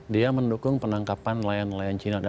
dia mendukung penangkapan nelayan nelayan china